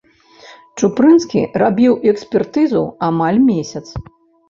Чупрынскі рабіў экспертызу амаль месяц.